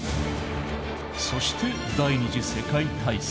そして第２次世界大戦。